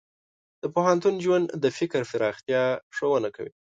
د پوهنتون ژوند د فکر پراختیا ښوونه کوي.